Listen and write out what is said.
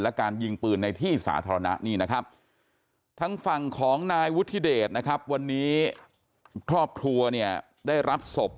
และการยิงปืนในที่สาธารณะนี่นะครับทางฝั่งของนายวุฒิเดชนะครับวันนี้ครอบครัวเนี่ยได้รับศพ